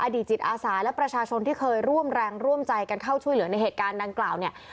จิตอาสาและประชาชนที่เคยร่วมแรงร่วมใจกันเข้าช่วยเหลือในเหตุการณ์ดังกล่าวเนี่ย